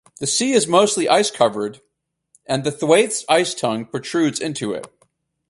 The sea is mostly ice-covered, and the Thwaites Ice Tongue protrudes into it.